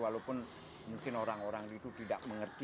walaupun mungkin orang orang itu tidak mengerti